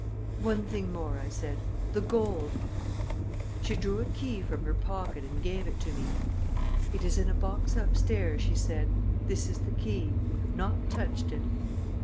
"One thing more," I said. "The gold." She drew a key from her pocket and gave it to me. "It is in a box upstairs," she said. "This is the key. We have not touched it."